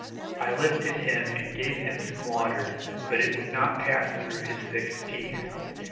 I lifted him and gave him some water, but it would not pass through his fixed teeth.